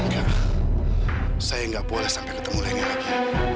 kak saya nggak boleh sampai ketemu leni lagi